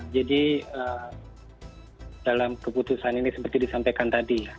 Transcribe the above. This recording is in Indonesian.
jadi dalam keputusan ini seperti disampaikan tadi